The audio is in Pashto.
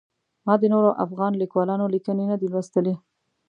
ما د نورو افغان لیکوالانو لیکنې نه دي لوستلي.